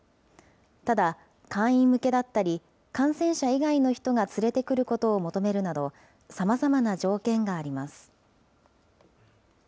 ただ、会員向けだったり、感染者以外の人が連れてくることを求めるなど、さまざまな条件があります。